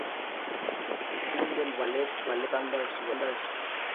Fue bailarín del Ballet del Sadler's West.